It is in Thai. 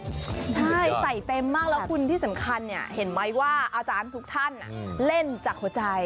ใช่ใส่เต็มมากแล้วคุณที่สำคัญเนี่ยเห็นไหมว่าอาจารย์ทุกท่านเล่นจากหัวใจ